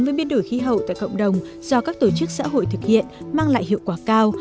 với biến đổi khí hậu tại cộng đồng do các tổ chức xã hội thực hiện mang lại hiệu quả cao